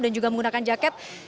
dan juga menggunakan jaket